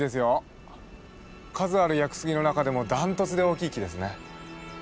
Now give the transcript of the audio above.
数ある屋久杉の中でもダントツで大きい木ですね。